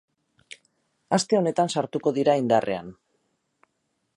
Aste honetan sartuko dira indarrean.